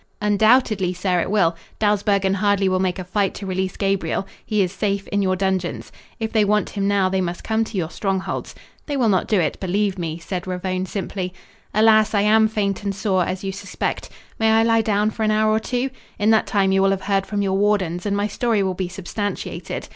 "Undoubtedly, sir, it will. Dawsbergen hardly will make a fight to release Gabriel. He is safe in your dungeons. If they want him now, they must come to your strongholds. They will not do it, believe me," said Ravone simply. "Alas, I am faint and sore, as you suspect. May I lie down for an hour or two? In that time you will have heard from your wardens and my story will be substantiated.